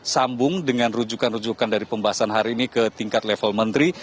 sambung dengan rujukan rujukan dari pembahasan hari ini ke tingkat level menteri